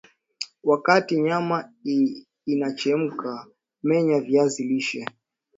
Wakati nyama inachemka menya viazi lishe